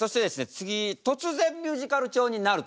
次突然ミュージカル調になると。